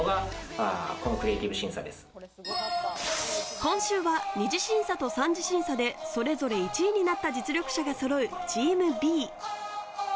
今週は２次審査と３次審査でそれぞれ１位になった実力者がそろうチームＢ。